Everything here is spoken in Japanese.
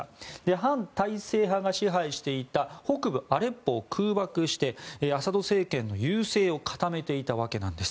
反体制派が支配していた北部アレッポを空爆してアサド政権の優勢を固めていたわけなんです。